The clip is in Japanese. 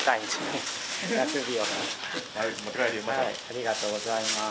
ありがとうございます。